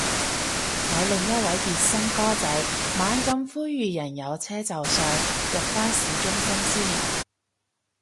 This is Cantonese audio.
有另一位熱心哥仔猛咁呼籲人有車就上，入返市中心先